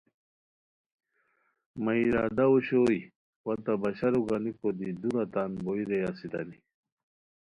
مہ ارادہ اوشوئے وا تہ بشاروگنیکو دی دُورا تان بوئے رے اسیتانی